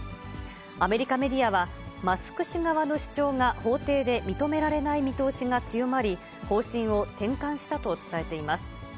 アメリカメディアは、マスク氏側の主張が法廷で認められない見通しが強まり、方針を転換したと伝えています。